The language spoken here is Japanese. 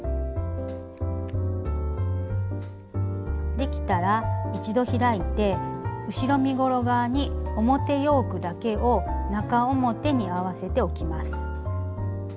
できたら一度開いて後ろ身ごろ側に表ヨークだけを中表に合わせて置きます。